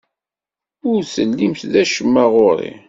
Ur tellimt d acemma ɣer-i.